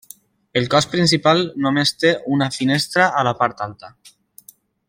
El cos principal només té una finestra a la part alta.